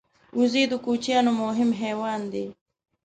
وزې د کوچیانو مهم حیوان دی